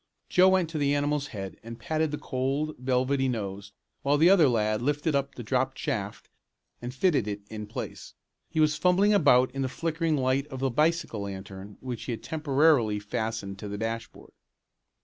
Joe went to the animal's head and patted the cold, velvety nose while the other lad lifted up the dropped shaft and fitted it in place. He was fumbling about in the flickering light of the bicycle lantern which he had temporarily fastened to the dashboard.